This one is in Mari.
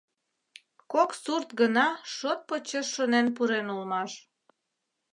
Кок сурт гына шот почеш шонен пурен улмаш.